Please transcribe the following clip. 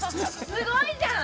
すごいじゃん！